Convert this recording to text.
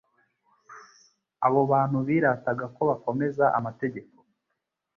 Abo bantu birataga ko bakomeza amategeko,